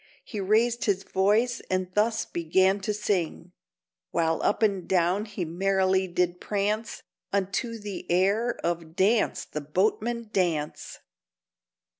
He raised his voice, and thus began to sing: (While up and down he merrily did prance) Unto the air of _Dance, the Boatman, dance!